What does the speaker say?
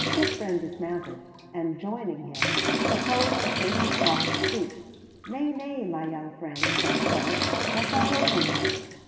This friend dismounted, and joining him, proposed that they should cross the street. "Nay, nay, my young friend," said the poet, "that's all over now."